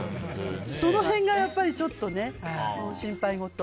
その辺がやっぱりちょっとね、心配事。